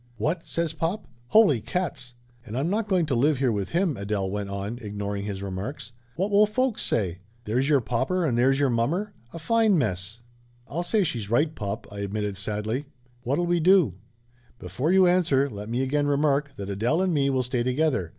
"What!" says pop. "Holy cats!" "And I'm not going to live here with him," Adele went on, ignoring his remarks. "What will folks say? There's your popper and there's your mommer! A fine mess!" "I'll say she's right, pop," I admitted sadly. 244 Laughter Limited "What'll we do? Before you answer, let me again re mark that Adele and me will stay together.